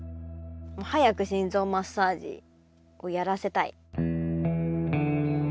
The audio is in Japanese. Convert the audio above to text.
早く心臓マッサージをやらせたい。